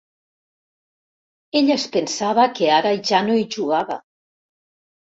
Ella es pensava que ara ja no hi jugava.